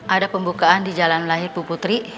ada pembukaan di jalan lahir bu putri